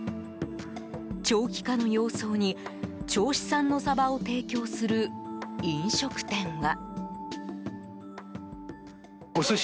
長期化の様相に、銚子産のサバを提供する飲食店は。